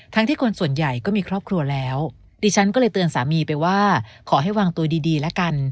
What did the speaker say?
ที่คนส่วนใหญ่ก็มีครอบครัวแล้วดิฉันก็เลยเตือนสามีไปว่าขอให้วางตัวดีดีละกัน